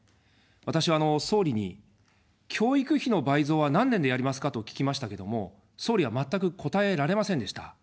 私は総理に、教育費の倍増は何年でやりますかと聞きましたけども、総理は全く答えられませんでした。